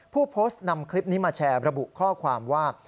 ผู้โพสต์นำคลิปนี้มาแชร์ระบุข้อความว่า